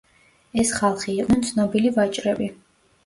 ეს ხალხი იყვნენ ცნობილი ვაჭრები.